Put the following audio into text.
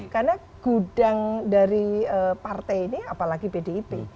karena gudang dari partai ini apalagi pdip